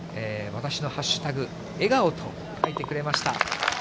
わたしのハッシュタグ、笑顔と書いてくれました。